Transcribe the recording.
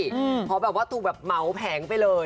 เพราะแบบว่าถูกแบบเหมาแผงไปเลย